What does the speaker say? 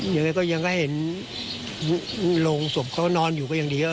ยังไงก็ยังก็เห็นโรงศพเขานอนอยู่ก็ยังดี